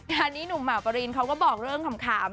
งานนี้หนุ่มหมากปรินเขาก็บอกเรื่องขำ